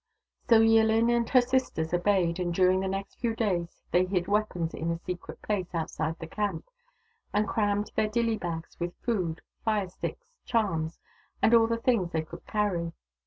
So Yillin and her sisters obeyed, and during the next few days they hid weapons in a secret place outside the camp, and crammed their dilly bags with food, fire sticks, charms, and all the things they could carry.